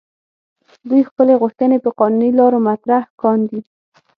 دوی خپلې غوښتنې په قانوني لارو مطرح کاندي.